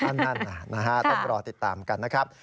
นั่นนะฮะต้องรอติดตามกันนะครับ